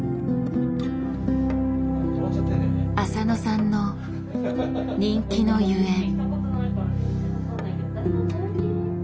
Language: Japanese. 浅野さんの人気のゆえん。